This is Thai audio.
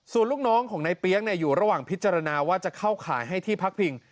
ส่วนลูกน้องของในเปี๊ยกอยู่ระหว่างพิจารณาว่าจะเข้าข่ายให้ที่พักพิง